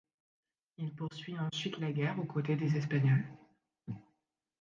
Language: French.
Il poursuit ensuite la guerre aux côtés des Espagnols.